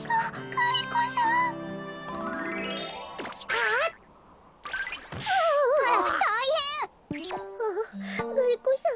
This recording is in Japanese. ああガリ子さん